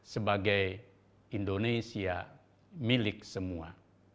sebagai indonesia milik semua